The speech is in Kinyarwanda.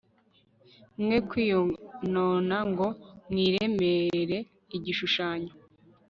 Mwe kwiyonona ngo mwiremere igishushanyo